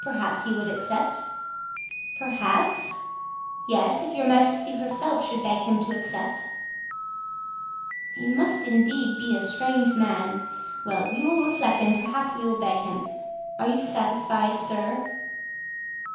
"Perhaps he would accept." "Perhaps?" "Yes, if your majesty herself should beg him to accept." "He must be indeed a strange man. Well, we will reflect and perhaps we will beg him. Are you satisfied, sir?"